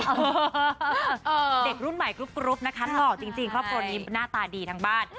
เด็กรุ่นใหม่กรุ๊ปนะคะหล่อจริงครอบครัวนี้หน้าตาดีทั้งบ้าน